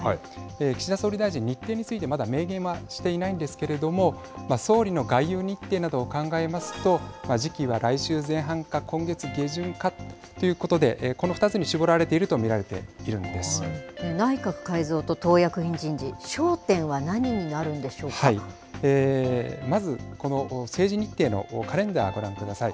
岸田総理大臣日程について、まだ明言はしていないんですけれども総理の外遊日程などを考えますと時期は来週前半か今月下旬かということで、この２つに絞られていると内閣改造と党役員人事まずこの政治日程のカレンダー、ご覧ください。